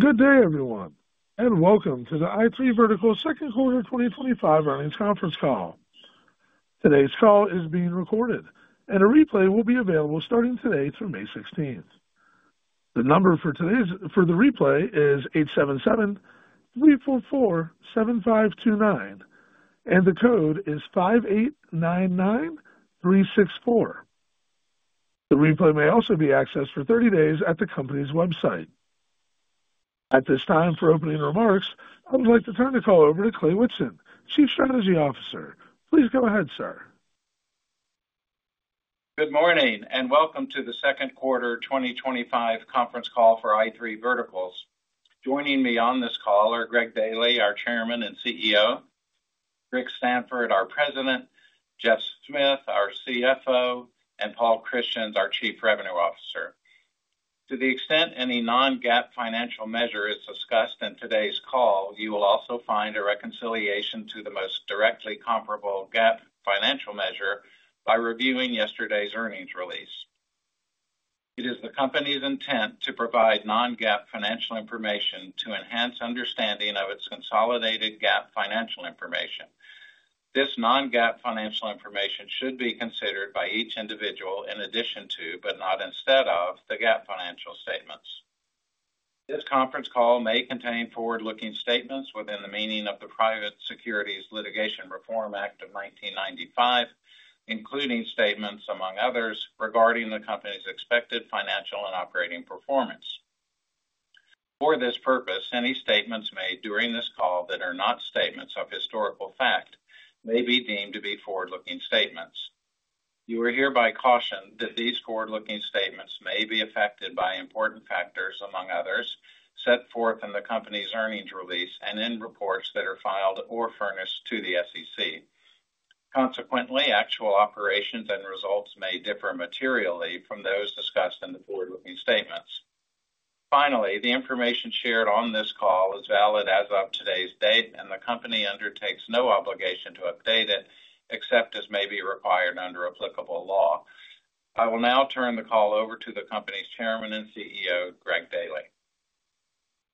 Good day, everyone, and welcome to the i3 Verticals Second Quarter 2025 Earnings Conference Call. Today's call is being recorded, and a replay will be available starting today through May 16th. The number for the replay is 877-344-7529, and the code is 5899364. The replay may also be accessed for 30 days at the company's website. At this time, for opening remarks, I would like to turn the call over to Clay Whitson, Chief Strategy Officer. Please go ahead, sir. Good morning and welcome to the Second Quarter 2025 Conference Call for i3 Verticals. Joining me on this call are Greg Daily, our Chairman and CEO, Rick Stanford, our President, Geoff Smith, our CFO, and Paul Christians, our Chief Revenue Officer. To the extent any non-GAAP financial measure is discussed in today's call, you will also find a reconciliation to the most directly comparable GAAP financial measure by reviewing yesterday's earnings release. It is the company's intent to provide non-GAAP financial information to enhance understanding of its consolidated GAAP financial information. This non-GAAP financial information should be considered by each individual in addition to, but not instead of, the GAAP financial statements. This conference call may contain forward-looking statements within the meaning of the Private Securities Litigation Reform Act of 1995, including statements, among others, regarding the company's expected financial and operating performance. For this purpose, any statements made during this call that are not statements of historical fact may be deemed to be forward-looking statements. You are hereby cautioned that these forward-looking statements may be affected by important factors, among others, set forth in the company's earnings release and in reports that are filed or furnished to the SEC. Consequently, actual operations and results may differ materially from those discussed in the forward-looking statements. Finally, the information shared on this call is valid as of today's date, and the company undertakes no obligation to update it except as may be required under applicable law. I will now turn the call over to the company's Chairman and CEO, Greg Daily.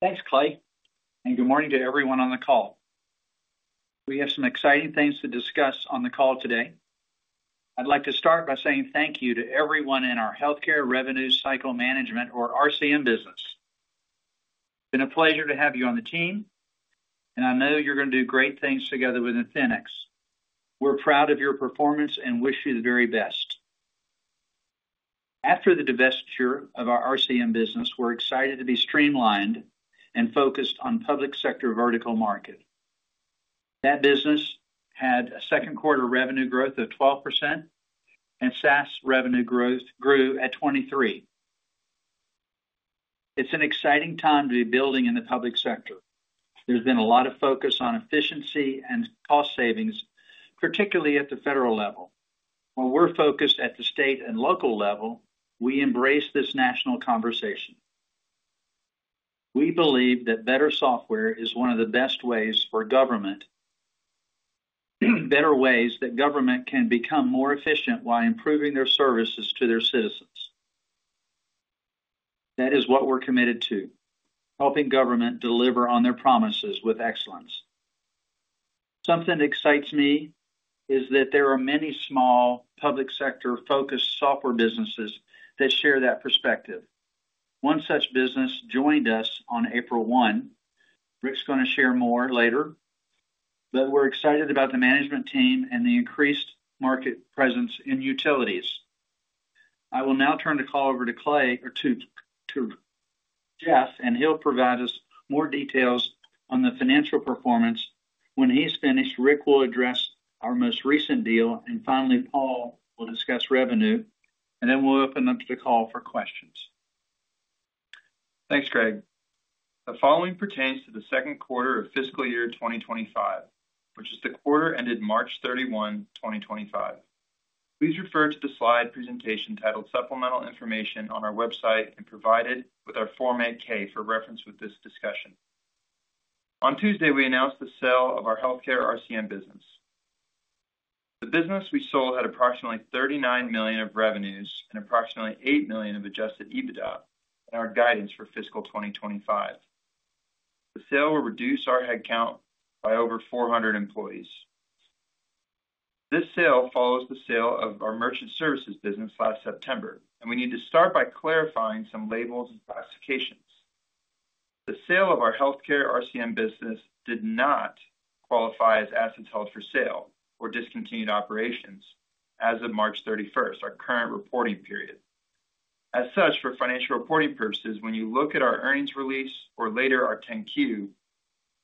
Thanks, Clay, and good morning to everyone on the call. We have some exciting things to discuss on the call today. I'd like to start by saying thank you to everyone in our Healthcare Revenue Cycle Management, or RCM, business. It's been a pleasure to have you on the team, and I know you're going to do great things together with Athenix. We're proud of your performance and wish you the very best. After the divestiture of our RCM business, we're excited to be streamlined and focused on Public Sector vertical market. That business had a second quarter revenue growth of 12%, and SaaS revenue growth grew at 23%. It's an exciting time to be building in the Public Sector. There's been a lot of focus on efficiency and cost savings, particularly at the federal level. While we're focused at the state and local level, we embrace this national conversation. We believe that better software is one of the best ways for government, better ways that government can become more efficient while improving their services to their citizens. That is what we're committed to. Helping government deliver on their promises with excellence. Something that excites me is that there are many small Public Sector-focused software businesses that share that perspective. One such business joined us on April 1. Rick's going to share more later, but we're excited about the management team and the increased market presence in utilities. I will now turn the call over to Clay or to Geoff, and he'll provide us more details on the financial performance. When he's finished, Rick will address our most recent deal, and finally, Paul will discuss revenue, and then we'll open up the call for questions. Thanks, Greg. The following pertains to the second quarter of fiscal year 2025, which is the quarter ended March 31, 2025. Please refer to the slide presentation titled Supplemental Information on our website and provided with our Form 8-K for reference with this discussion. On Tuesday, we announced the sale of our Healthcare RCM business. The business we sold had approximately $39 million of revenues and approximately $8 million of Adjusted EBITDA in our guidance for fiscal 2025. The sale will reduce our headcount by over 400 employees. This sale follows the sale of our merchant services business last September, and we need to start by clarifying some labels and classifications. The sale of our Healthcare RCM business did not qualify as assets held for sale or discontinued operations as of March 31st, our current reporting period. As such, for financial reporting purposes, when you look at our earnings release or later our 10-Q,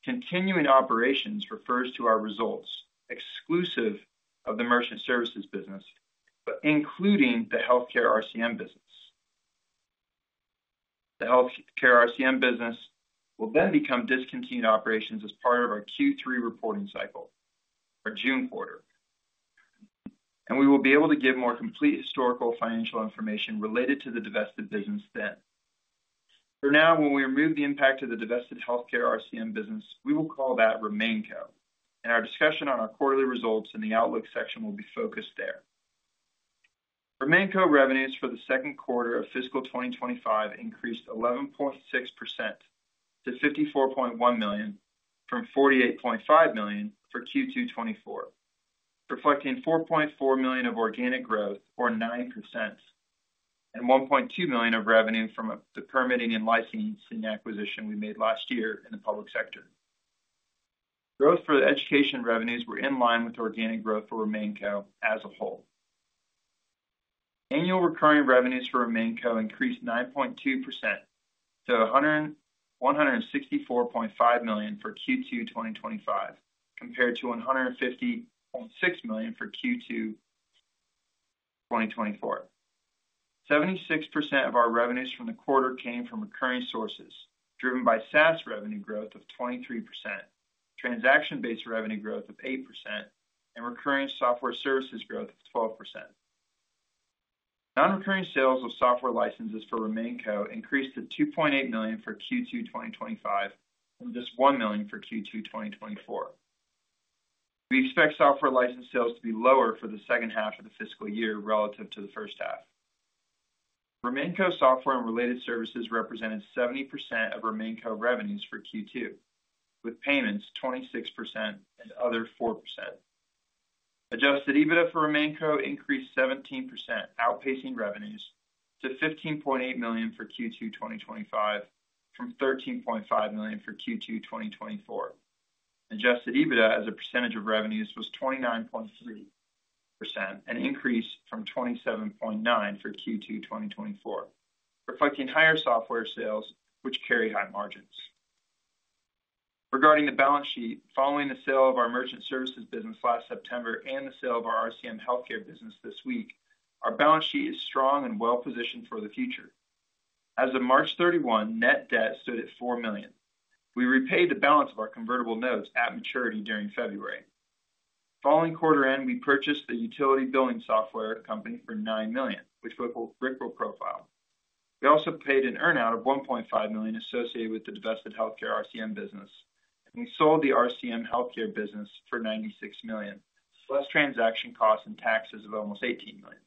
continuing operations refers to our results exclusive of the merchant services business, but including the Healthcare RCM business. The Healthcare RCM business will then become discontinued operations as part of our Q3 reporting cycle, our June quarter, and we will be able to give more complete historical financial information related to the divested business then. For now, when we remove the impact of the divested Healthcare RCM business, we will call that RemainCo, and our discussion on our quarterly results in the outlook section will be focused there. RemainCo, revenues for the second quarter of fiscal 2025 increased 11.6% to $54.1 million from $48.5 million for Q2 2024, reflecting $4.4 million of organic growth or 9% and $1.2 million of revenue from the permitting and licensing acquisition we made last year in the Public Sector. Growth for the education revenues were in line with organic growth for RemainCo as a whole. Annual recurring revenues for RemainCo increased 9.2% to $164.5 million for Q2 2025, compared to $150.6 million for Q2 2024. 76% of our revenues from the quarter came from recurring sources driven by SaaS revenue growth of 23%, transaction-based revenue growth of 8%, and recurring software services growth of 12%. Non-recurring sales of software licenses for RemainCo increased to $2.8 million for Q2 2025 from just $1 million for Q2 2024. We expect software license sales to be lower for the second half of the fiscal year relative to the first half. RemainCo software and related services represented 70% of RemainCo revenues for Q2, with payments 26% and other 4%. Adjusted EBITDA for RemainCo increased 17%, outpacing revenues to $15.8 million for Q2 2025 from $13.5 million for Q2 2024. Adjusted EBITDA as a percentage of revenues was 29.3%, an increase from 27.9% for Q2 2024, reflecting higher software sales, which carry high margins. Regarding the balance sheet, following the sale of our merchant services business last September and the sale of our RCM healthcare business this week, our balance sheet is strong and well positioned for the future. As of March 31, net debt stood at $4 million. We repaid the balance of our convertible notes at maturity during February. Following quarter end, we purchased the utility billing software company for $9 million, which Rick will profile. We also paid an earnout of $1.5 million associated with the divested Healthcare RCM business, and we sold the RCM healthcare business for $96 million, plus transaction costs and taxes of almost $18 million.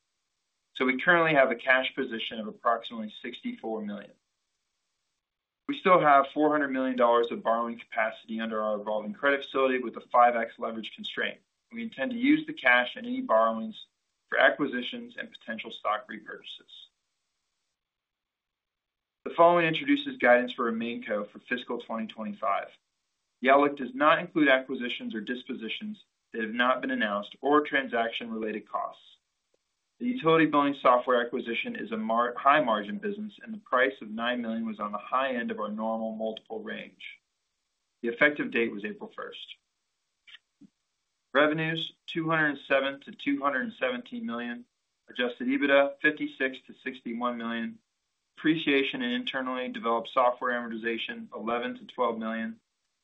We currently have a cash position of approximately $64 million. We still have $400 million of borrowing capacity under our revolving credit facility with a 5x leverage constraint. We intend to use the cash and any borrowings for acquisitions and potential stock repurchases. The following introduces guidance for RemainCo for fiscal 2025, the outlook does not include acquisitions or dispositions that have not been announced or transaction-related costs. The utility billing software acquisition is a high margin business, and the price of $9 million was on the high end of our normal multiple range. The effective date was April 1st. Revenues, $207 million-$217 million. Adjusted EBITDA, $56 million-$61 million. Appreciation and internally developed software amortization, $11 million-$12 million.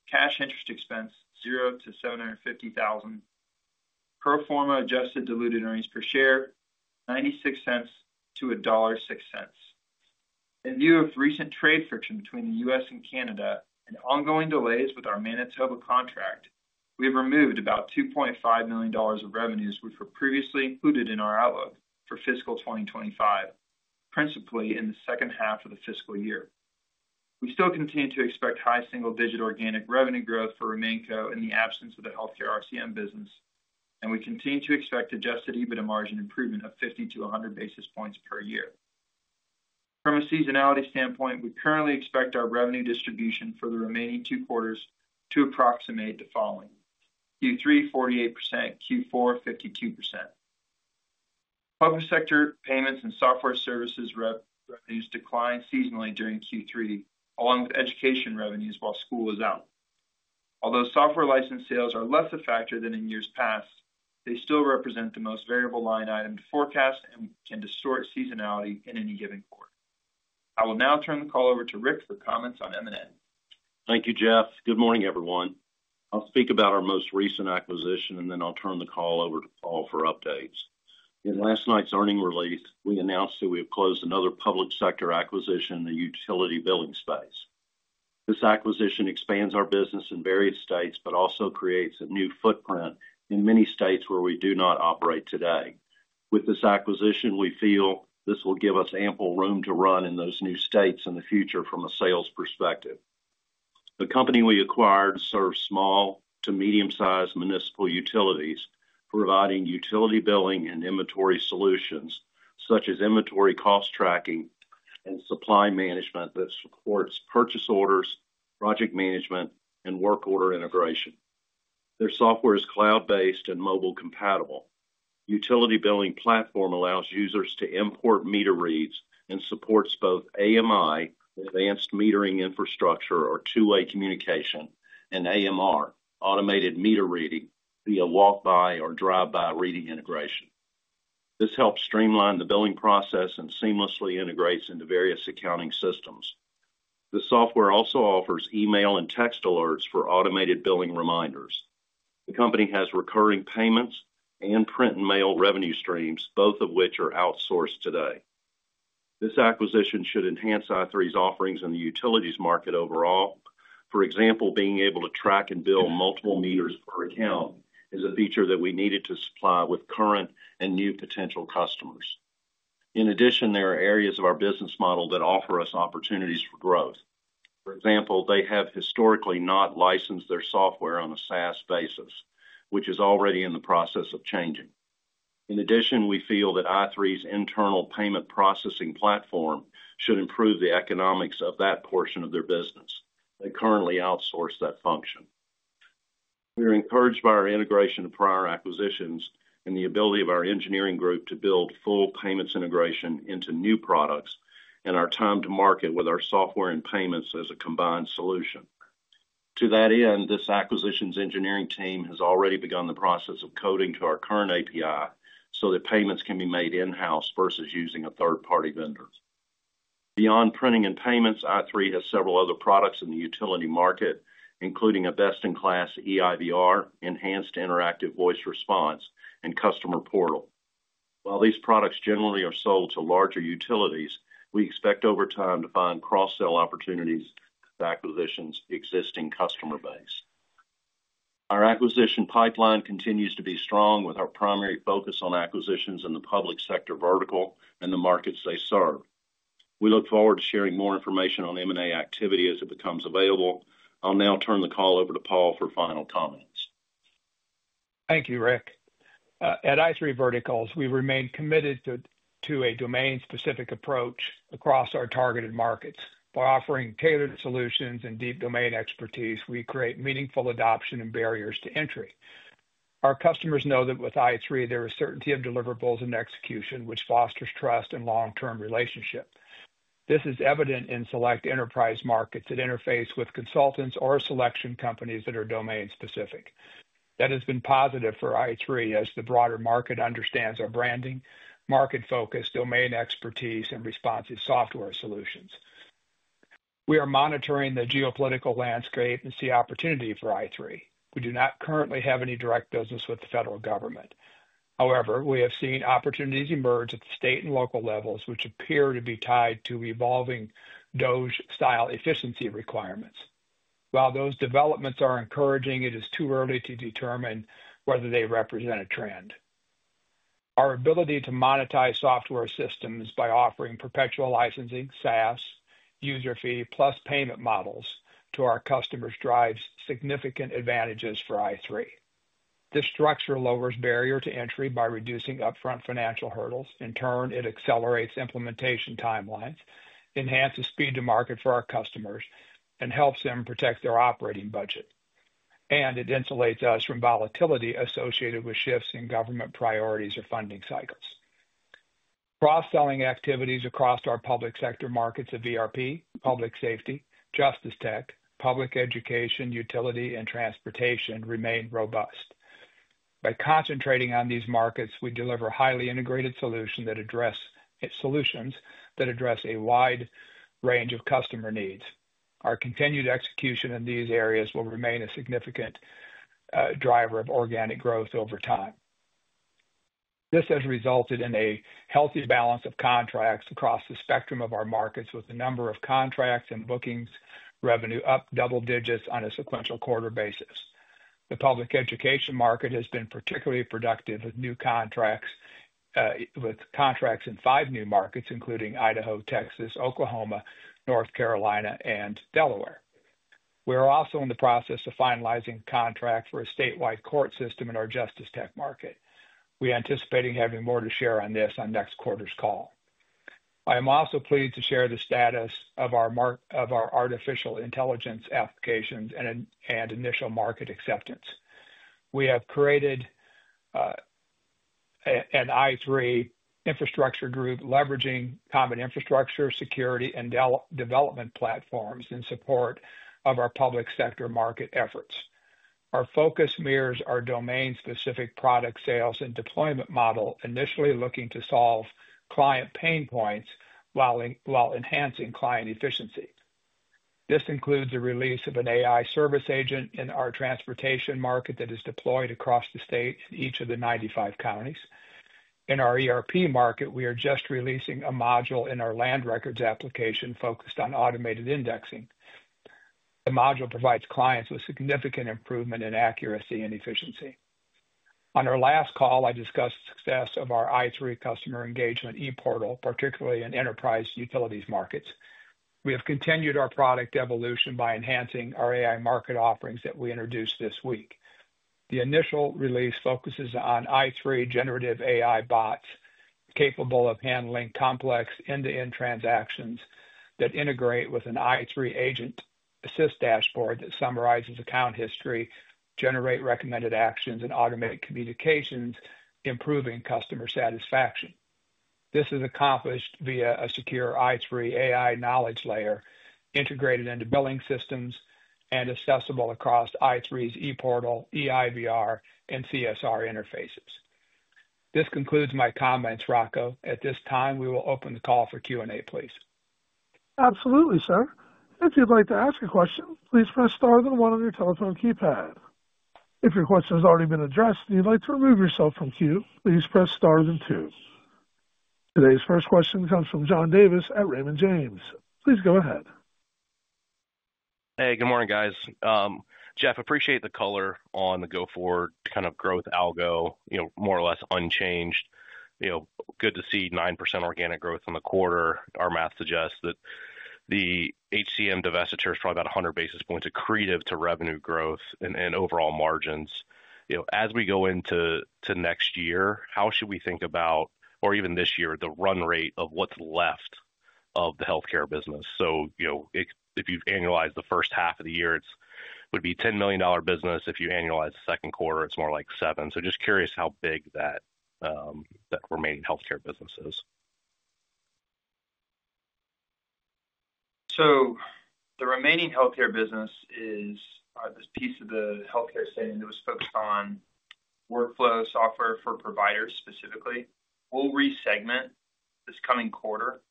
Cash interest expense, $0-$750,000. Pro forma adjusted diluted earnings per share, $0.96-$1.06. In view of recent trade friction between the U.S. and Canada and ongoing delays with our Manitoba contract, we have removed about $2.5 million of revenues, which were previously included in our outlook for fiscal 2025, principally in the second half of the fiscal year. We still continue to expect high single-digit organic revenue growth for RemainCo in the absence of the Healthcare RCM business, we continue to expect Adjusted EBITDA margin improvement of 50-100 basis points per year. From a seasonality standpoint, we currently expect our revenue distribution for the remaining two quarters to approximate the following, Q3 48%, Q4 52%. Public sector payments and software services revenues declined seasonally during Q3, along with education revenues while school was out. Although software license sales are less a factor than in years past, they still represent the most variable line item to forecast and can distort seasonality in any given quarter. I will now turn the call over to Rick for comments on M&A. Thank you, Geoff. Good morning, everyone. I'll speak about our most recent acquisition, and then I'll turn the call over to Paul for updates. In last night's earnings release, we announced that we have closed another Public Sector acquisition in the utility billing space. This acquisition expands our business in various states, but also creates a new footprint in many states where we do not operate today. With this acquisition, we feel this will give us ample room to run in those new states in the future from a sales perspective. The company we acquired serves small to medium-sized municipal utilities, providing utility billing and inventory solutions such as inventory cost tracking and supply management that supports purchase orders, project management, and work order integration. Their software is cloud-based and mobile compatible. Utility billing platform allows users to import meter reads and supports both AMI, advanced metering infrastructure, or two-way communication, and AMR, automated meter reading via walk-by or drive-by reading integration. This helps streamline the billing process and seamlessly integrates into various accounting systems. The software also offers email and text alerts for automated billing reminders. The company has recurring payments and print and mail revenue streams, both of which are outsourced today. This acquisition should enhance i3's offerings in the utilities market overall. For example, being able to track and bill multiple meters per account is a feature that we needed to supply with current and new potential customers. In addition, there are areas of our business model that offer us opportunities for growth. For example, they have historically not licensed their software on a SaaS basis, which is already in the process of changing. In addition, we feel that i3's internal payment processing platform should improve the economics of that portion of their business. They currently outsource that function. We are encouraged by our integration of prior acquisitions and the ability of our engineering group to build full payments integration into new products and our time to market with our software and payments as a combined solution. To that end, this acquisition's engineering team has already begun the process of coding to our current API so that payments can be made in-house versus using a third-party vendor. Beyond printing and payments, i3 has several other products in the utility market, including a best-in-class eIVR, enhanced interactive voice response, and customer portal. While these products generally are sold to larger utilities, we expect over time to find cross-sell opportunities to acquisitions' existing customer base. Our acquisition pipeline continues to be strong with our primary focus on acquisitions in the Public Sector vertical and the markets they serve. We look forward to sharing more information on M&A activity as it becomes available. I'll now turn the call over to Paul for final comments. Thank you, Rick. At i3 Verticals, we remain committed to a domain-specific approach across our targeted markets. By offering tailored solutions and deep domain expertise, we create meaningful adoption and barriers to entry. Our customers know that with i3, there is certainty of deliverables and execution, which fosters trust and long-term relationships. This is evident in select enterprise markets that interface with consultants or selection companies that are domain-specific. That has been positive for i3 as the broader market understands our branding, market-focused domain expertise, and responsive software solutions. We are monitoring the geopolitical landscape and see opportunity for i3. We do not currently have any direct business with the federal government. However, we have seen opportunities emerge at the state and local levels, which appear to be tied to evolving DOJ-style efficiency requirements. While those developments are encouraging, it is too early to determine whether they represent a trend. Our ability to monetize software systems by offering perpetual licensing, SaaS, user fee, plus payment models to our customers drives significant advantages for i3. This structure lowers barrier to entry by reducing upfront financial hurdles. In turn, it accelerates implementation timelines, enhances speed to market for our customers, and helps them protect their operating budget. It insulates us from volatility associated with shifts in government priorities or funding cycles. Cross-selling activities across our Public Sector markets of ERP, Public Safety, JusticeTech, Public Education, Utility, and Transportation remain robust. By concentrating on these markets, we deliver highly integrated solutions that address a wide range of customer needs. Our continued execution in these areas will remain a significant driver of organic growth over time. This has resulted in a healthy balance of contracts across the spectrum of our markets, with the number of contracts and bookings revenue up double digits on a sequential quarter basis. The public education market has been particularly productive with new contracts in five new markets, including Idaho, Texas, Oklahoma, North Carolina, and Delaware. We are also in the process of finalizing a contract for a statewide court system in our JusticeTech market. We anticipate having more to share on this on next quarter's call. I am also pleased to share the status of our artificial intelligence applications and initial market acceptance. We have created an i3 infrastructure group leveraging common infrastructure, security, and development platforms in support of our Public Sector market efforts. Our focus mirrors our domain-specific product sales and deployment model, initially looking to solve client pain points while enhancing client efficiency. This includes the release of an AI service agent in our transportation market that is deployed across the state in each of the 95 counties. In our ERP market, we are just releasing a module in our land records application focused on automated indexing. The module provides clients with significant improvement in accuracy and efficiency. On our last call, I discussed the success of our i3 Customer Engagement ePortal, particularly in Enterprise Utilities markets. We have continued our product evolution by enhancing our AI market offerings that we introduced this week. The initial release focuses on i3 generative AI bots capable of handling complex end-to-end transactions that integrate with an i3 agent assist dashboard that summarizes account history, generates recommended actions, and automates communications, improving customer satisfaction. This is accomplished via a secure i3 AI knowledge layer integrated into billing systems and accessible across i3's ePortal, eIVR, and CSR interfaces. This concludes my comments, Rocco. At this time, we will open the call for Q&A, please. Absolutely, sir. If you'd like to ask a question, please press star then one on your telephone keypad. If your question has already been addressed and you'd like to remove yourself from queue, please press star then two. Today's first question comes from John Davis at Raymond James. Please go ahead. Hey, good morning, guys. Geoff, I appreciate the color on the go forward kind of growth algo, more or less unchanged. Good to see 9% organic growth in the quarter. Our math suggests that the HCM divestiture is probably about 100 basis points accretive to revenue growth and overall margins. As we go into next year, how should we think about, or even this year, the run rate of what's left of the healthcare business? If you've annualized the first half of the year, it would be a $10 million business. If you annualize the second quarter, it's more like $7 million. Just curious how big that remaining Healthcare business is. The remaining Healthcare business is this piece of the Healthcare segment that was focused on workflow software for providers specifically. We'll resegment this coming quarter,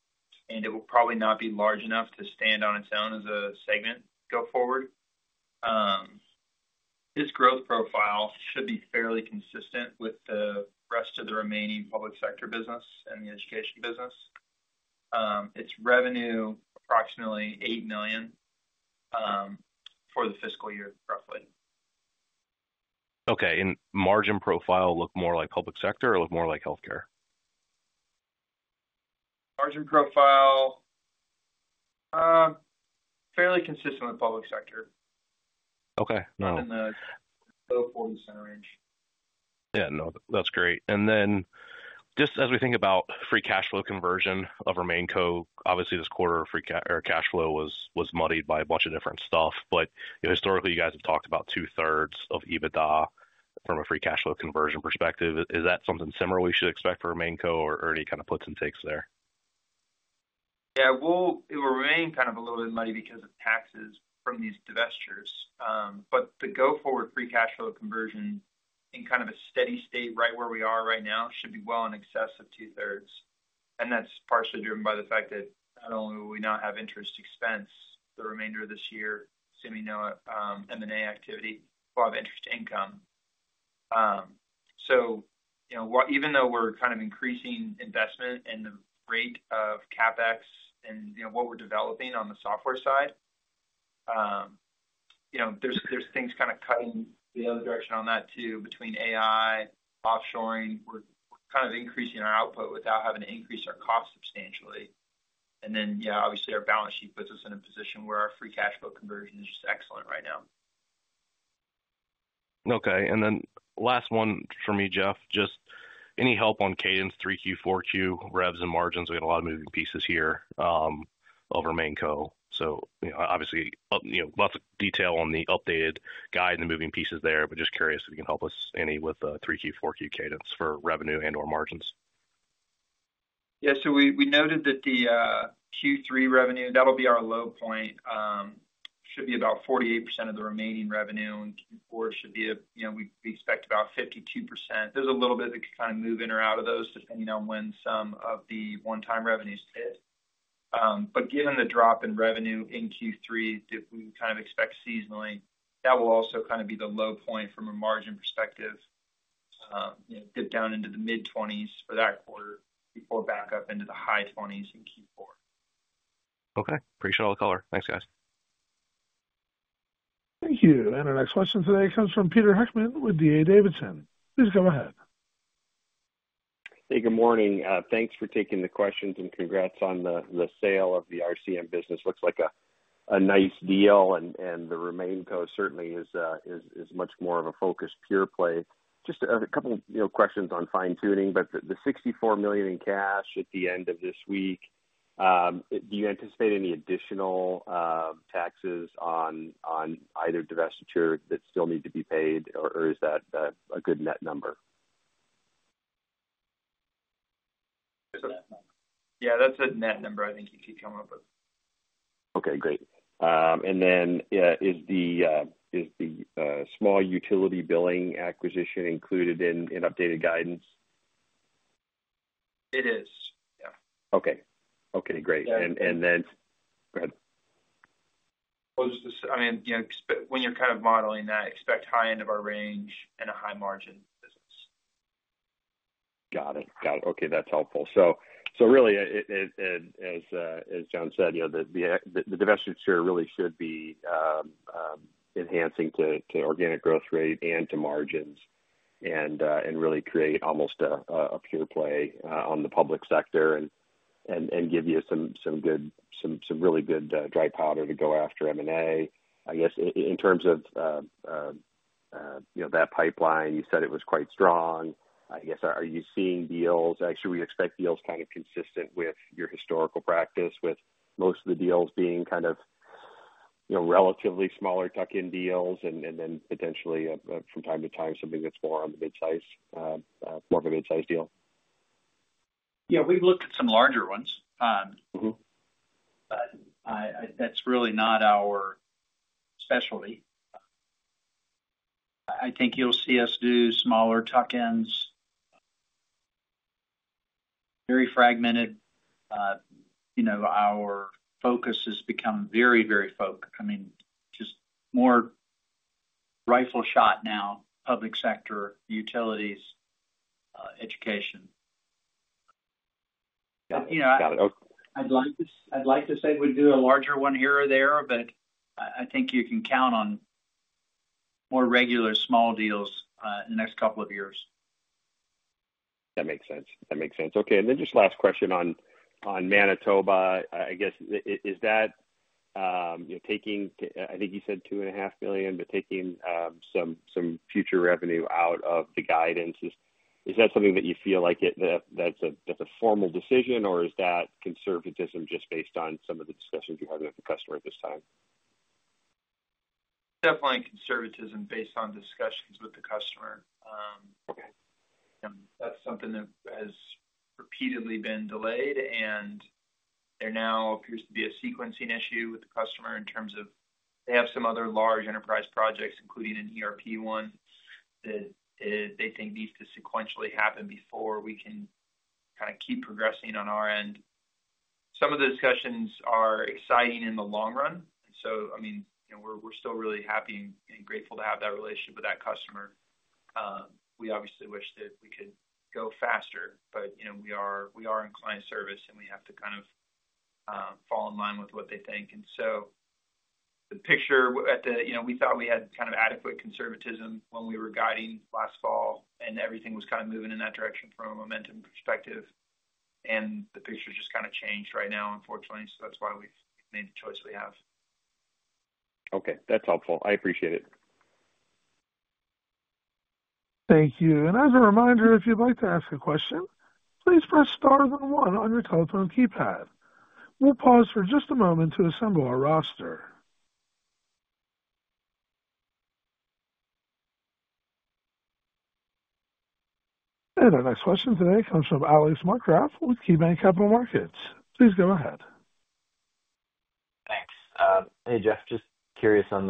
and it will probably not be large enough to stand on its own as a segment going forward. This growth profile should be fairly consistent with the rest of the remaining Public Sector business and the Education business. Its revenue is approximately $8 million for the fiscal year, roughly. Okay. And margin profile look more like Public Sector or look more like Healthcare? Margin profile, fairly consistent with Public Sector. Okay. In the low $0.40 range. Yeah, no, that's great. Just as we think about free cash flow conversion of RemainCo, obviously this quarter of free cash flow was muddied by a bunch of different stuff. Historically, you guys have talked about 2/3 of EBITDA from a free cash flow conversion perspective. Is that something similar we should expect for RemainCo, or any kind of puts and takes there? Yeah, it will remain kind of a little bit muddy because of taxes from these divestitures. The go forward free cash flow conversion in kind of a steady state, right where we are right now, should be well in excess of 2/3. That's partially driven by the fact that not only will we not have interest expense the remainder of this year, assuming no M&A activity, we'll have interest income. Even though we're kind of increasing investment and the rate of CapEx and what we're developing on the software side, there's things kind of cutting the other direction on that too, between AI, offshoring. We're kind of increasing our output without having to increase our cost substantially. Yeah, obviously our balance sheet puts us in a position where our free cash flow conversion is just excellent right now. Okay. And then last one for me, Geoff, just any help on cadence, 3Q, 4Q, revs, and margins? We have a lot of moving pieces here over RemainCo. Obviously, lots of detail on the updated guide and the moving pieces there, but just curious if you can help us any with 3Q, 4Q cadence for revenue and/or margins? Yeah. So we noted that the Q3 revenue, that'll be our low point, should be about 48% of the remaining revenue. In Q4, we expect about 52%. There's a little bit that could kind of move in or out of those depending on when some of the one-time revenues hit. Given the drop in revenue in Q3 that we kind of expect seasonally, that will also kind of be the low point from a margin perspective, dip down into the mid-20% for that quarter before back up into the high 20% in Q4. Okay. Appreciate all the color. Thanks, guys. Thank you. Our next question today comes from Peter Heckman with D.A. Davidson. Please go ahead. Hey, good morning. Thanks for taking the questions and congrats on the sale of the RCM business. Looks like a nice deal, and the RemainCo certainly is much more of a focused pure play. Just a couple of questions on fine-tuning, but the $64 million in cash at the end of this week, do you anticipate any additional taxes on either divestiture that still need to be paid, or is that a good net number? Yeah, that's a net number I think you keep coming up with. Okay, great. Is the small utility billing acquisition included in updated guidance? It is, yeah. Okay. Okay, great. And then go ahead. I mean, when you're kind of modeling that, expect high end of our range and a high margin business. Got it. Got it. Okay, that's helpful. Really, as John said, the divestiture really should be enhancing to organic growth rate and to margins and really create almost a pure play on the Public Sector and give you some really good dry powder to go after M&A. I guess in terms of that pipeline, you said it was quite strong. I guess, are you seeing deals? Should we expect deals kind of consistent with your historical practice, with most of the deals being kind of relatively smaller tuck-in deals and then potentially from time to time something that's more of a mid-size deal? Yeah, we've looked at some larger ones, but that's really not our specialty. I think you'll see us do smaller tuck-ins, very fragmented. Our focus has become very, very focused. I mean, just more rifle shot now, Public Sector, Utilities, Education. Got it. Okay. I'd like to say we'd do a larger one here or there, but I think you can count on more regular small deals in the next couple of years. That makes sense. That makes sense. Okay. And then just last question on Manitoba. I guess, is that taking, I think you said $2.5 million but taking some future revenue out of the guidance, is that something that you feel like that's a formal decision, or is that conservatism just based on some of the discussions you're having with the customer at this time? Definitely conservatism based on discussions with the customer. That's something that has repeatedly been delayed, and there now appears to be a sequencing issue with the customer in terms of they have some other large enterprise projects, including an ERP one, that they think needs to sequentially happen before we can kind of keep progressing on our end. Some of the discussions are exciting in the long run. I mean, we're still really happy and grateful to have that relationship with that customer. We obviously wish that we could go faster, but we are in client service, and we have to kind of fall in line with what they think. The picture at the, we thought we had kind of adequate conservatism when we were guiding last fall, and everything was kind of moving in that direction from a momentum perspective. The picture's just kind of changed right now, unfortunately. That's why we've made the choice we have. Okay. That's helpful. I appreciate it. Thank you. As a reminder, if you'd like to ask a question, please press star then one on your telephone keypad. We'll pause for just a moment to assemble our roster. Our next question today comes from Alex Markgraff with KeyBanc Capital Markets. Please go ahead. Thanks. Hey, Geoff, just curious on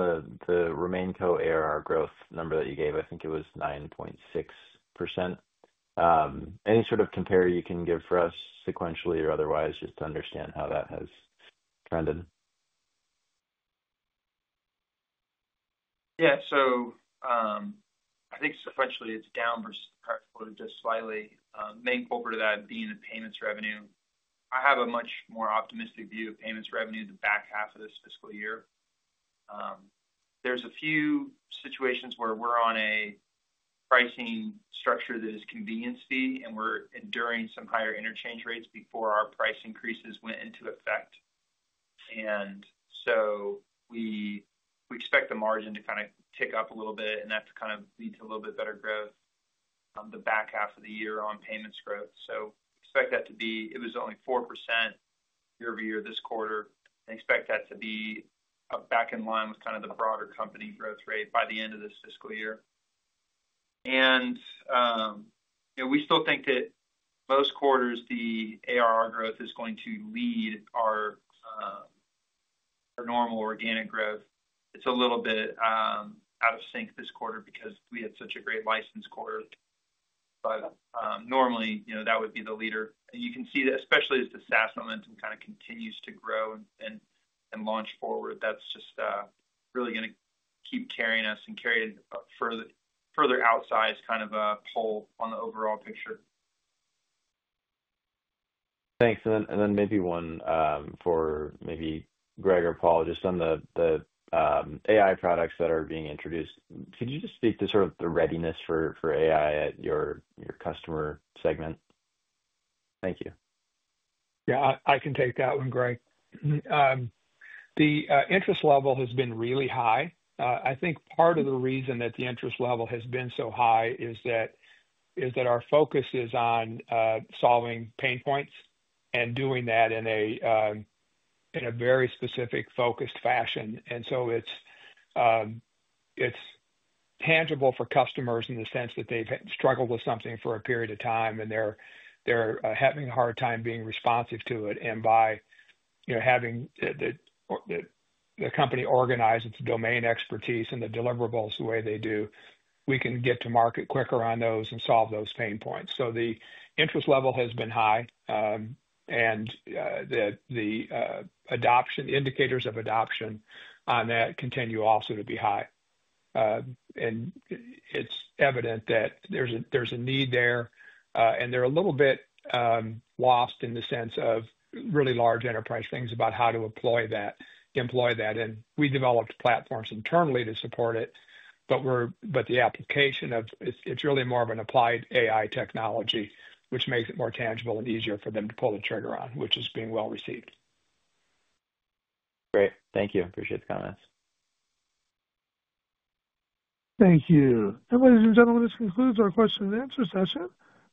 the RemainCo, ARR growth number that you gave. I think it was 9.6%. Any sort of compare you can give for us sequentially or otherwise, just to understand how that has trended? Yeah. I think sequentially it is down versus the current quarter just slightly. Main culprit of that being the payments revenue. I have a much more optimistic view of payments revenue the back half of this fiscal year. There are a few situations where we are on a pricing structure that is convenience fee, and we are enduring some higher interchange rates before our price increases went into effect. We expect the margin to kind of tick up a little bit, and that is going to lead to a little bit better growth the back half of the year on payments growth. Expect that to be, it was only 4% year-over-year this quarter. I expect that to be back in line with the broader company growth rate by the end of this fiscal year. We still think that most quarters the ARR growth is going to lead our normal organic growth. It is a little bit out of sync this quarter because we had such a great license quarter. Normally, that would be the leader. You can see that especially as the SaaS momentum kind of continues to grow and launch forward, that is just really going to keep carrying us and carrying further outside kind of a pull on the overall picture. Thanks. Maybe one for Greg or Paul, just on the AI products that are being introduced. Could you just speak to sort of the readiness for AI at your customer segment? Thank you. Yeah, I can take that one, Greg. The interest level has been really high. I think part of the reason that the interest level has been so high is that our focus is on solving pain points and doing that in a very specific focused fashion. It is tangible for customers in the sense that they've struggled with something for a period of time, and they're having a hard time being responsive to it. By having the company organize its domain expertise and the deliverables the way they do, we can get to market quicker on those and solve those pain points. The interest level has been high, and the indicators of adoption on that continue also to be high. It is evident that there's a need there, and they're a little bit lost in the sense of really large enterprise things about how to employ that. We developed platforms internally to support it, but the application of it's really more of an applied AI technology, which makes it more tangible and easier for them to pull the trigger on, which is being well received. Great. Thank you. Appreciate the comments. Thank you. Ladies and gentlemen, this concludes our question-and-answer session.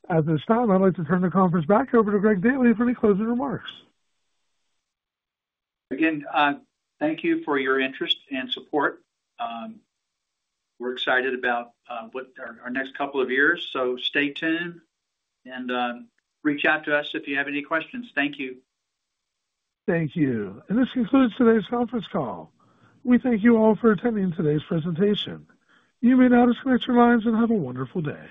At this time, I'd like to turn the conference back over to Greg Daily for any closing remarks. Again, thank you for your interest and support. We're excited about our next couple of years, so stay tuned and reach out to us if you have any questions. Thank you. Thank you. This concludes today's conference call. We thank you all for attending today's presentation. You may now disconnect your lines and have a wonderful day.